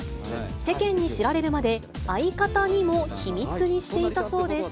世間に知られるまで相方にも秘密にしていたそうです。